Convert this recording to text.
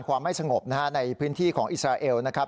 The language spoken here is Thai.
ความให้สงบนะฮะในพื้นที่ของอิสระเอลนะครับแล้วก็